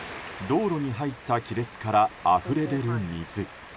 道路に入った亀裂からあふれ出る水。